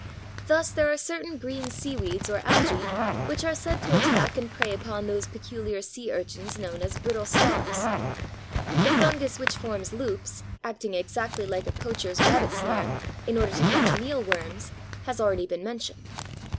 Thus there are certain green seaweeds or algæ which are said to attack and prey upon those peculiar sea urchins known as Brittle Stars. The fungus which forms loops, acting exactly like a poacher's rabbit snare, in order to catch mealworms, has been already mentioned.